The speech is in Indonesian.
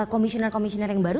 komisioner komisioner yang baru